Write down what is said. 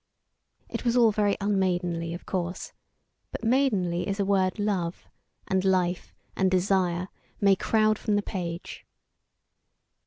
It was all very unmaidenly, of course; but maidenly is a word love and life and desire may crowd from the page.